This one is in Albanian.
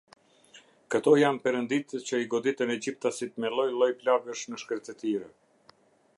Këto janë perënditë që i goditën Egjiptasit me lloj lloj plagësh në shkretëtirë.